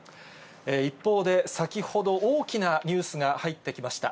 一方で、先ほど、大きなニュースが入ってきました。